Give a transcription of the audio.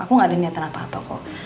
aku gak ada niatan apa apa kok